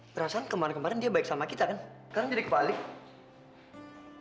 perasaan kemarin kemarin dia baik sama kita kan karena jadi kebalik